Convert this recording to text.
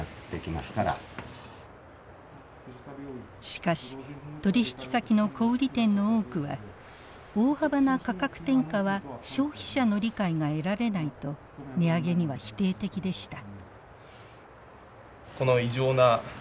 しかし取引先の小売店の多くは大幅な価格転嫁は消費者の理解が得られないと値上げには否定的でした。